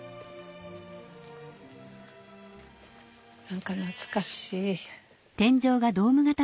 何か懐かしい。